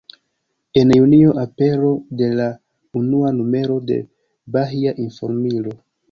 En Junio apero de la unua numero de “Bahia Informilo”.